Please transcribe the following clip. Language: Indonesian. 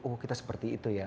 oh kita seperti itu ya